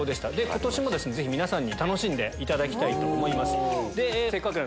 今年もぜひ皆さんに楽しんでいただきたいと思います。